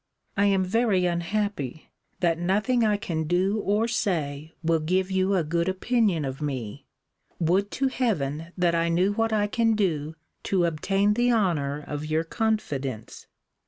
I am very unhappy, that nothing I can do or say will give you a good opinion of me! Would to heaven that I knew what I can do to obtain the honour of your confidence!